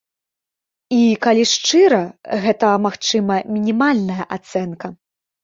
І, калі шчыра, гэта, магчыма, мінімальная ацэнка.